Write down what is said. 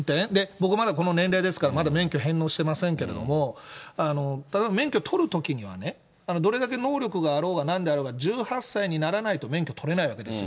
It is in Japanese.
僕まだこの年齢ですから、まだ免許返納してませんけれども、例えば免許取るときにはね、どれだけ能力があろうがなんであろうが、１８歳にならないと免許取れないわけですよ。